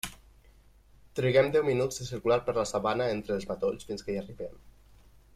Triguem deu minuts de circular per la sabana entre els matolls fins que hi arribem.